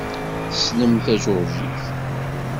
Tessnem tajuṛjit?